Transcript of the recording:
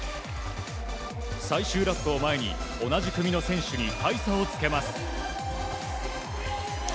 最終ラップを前に同じ組の選手に大差をつけます。